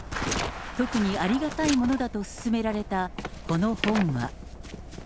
特にありがたいものだと勧められたこの本は。